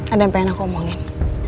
ada yang pengen aku ngomongin